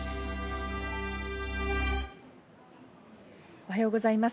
おはようございます。